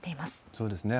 そうですね。